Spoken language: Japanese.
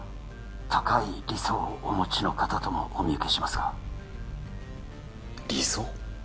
高い理想をお持ちの方ともお見受けしますが理想？